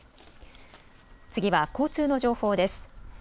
次は交通の情報です。